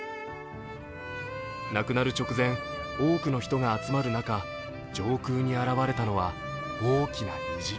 亡くなる直前、多くの人が集まる中上空に現れたのは、大きな虹。